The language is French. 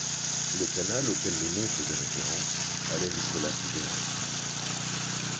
Le canal, auquel le nom faisait référence, allait jusqu'au lac Verret.